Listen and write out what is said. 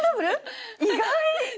意外！